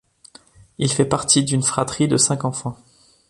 Il fait partie d'une fratrie de cinq enfants.